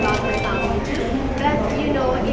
พวกมันจัดสินค้าที่๑๙นาที